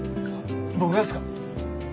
僕がっすか？